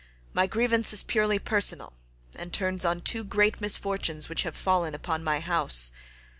My grievance is purely personal, and turns on two great misfortunes which have fallen upon my house.